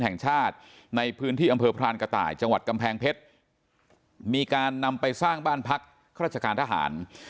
แห่งชาติในพื้นที่อำเภอพรานกระต่ายจังหวัดกำแพงเพชรมีการนำไปสร้างบ้านพักข้าราชการทหาร